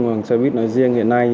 hàng xe buýt nói riêng hiện nay